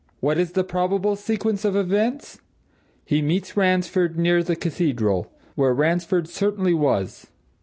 What is the probable sequence of events? He meets Ransford near the Cathedral where Ransford certainly was.